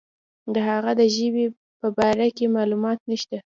د هغه د ژبې په باره کې معلومات نشته.